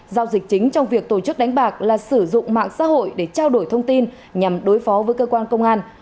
giao dịch chính trong việc tổ chức đánh bạc là sử dụng mạng xã hội để trao đổi thông tin nhằm đối phó với cơ quan công an